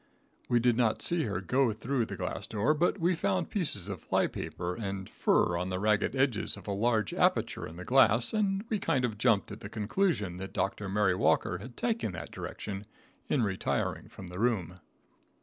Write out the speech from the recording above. We did not see her go through the glass door, but we found pieces of fly paper and fur on the ragged edges of a large aperture in the glass, and we kind of jumped at the conclusion that Dr. Mary Walker had taken that direction in retiring from the room.